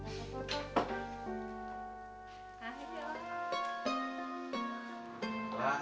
gak gitu dong